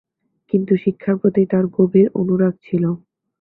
কিন্তু শিক্ষার প্রতি তার গভীর অনুরাগ ছিল।